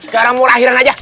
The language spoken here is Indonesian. gara mau lahiran aja